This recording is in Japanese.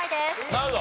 なるほど。